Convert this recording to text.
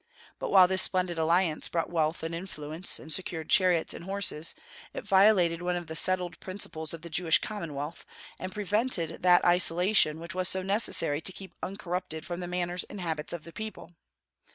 But while this splendid alliance brought wealth and influence, and secured chariots and horses, it violated one of the settled principles of the Jewish commonwealth, and prevented that isolation which was so necessary to keep uncorrupted the manners and habits of the people.